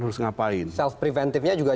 harus ngapain self preventifnya juga